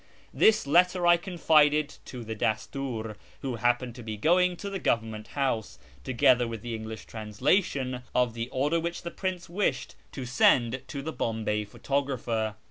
This letter I confided to the Dasti'ir, who happened to be going to the Government house, together with the English translation of the order which the prince wished to send to the Bombay photographer.